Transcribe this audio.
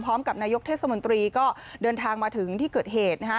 พร้อมกับนายกเทศมนตรีก็เดินทางมาถึงที่เกิดเหตุนะฮะ